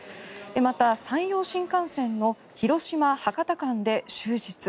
また、山陽新幹線の広島博多間で終日。